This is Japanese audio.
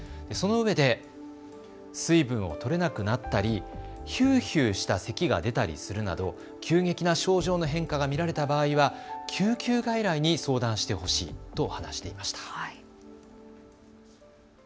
そのうえで水分をとれなくなったり、ヒューヒューしたせきが出たりするなど急激な症状の変化が見られた場合は救急外来に相談してほしいと話していました。